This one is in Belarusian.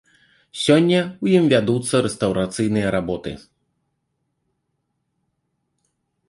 Сёння ў ім вядуцца рэстаўрацыйныя работы.